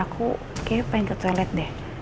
aku kayaknya pengen ke toilet deh